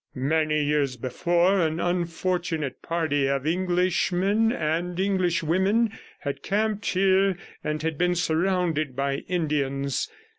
Many years before an unfortunate party of Englishmen and Englishwomen had camped here and had been surrounded by Indians.